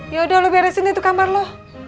yaudah lu beresin itu kamar lo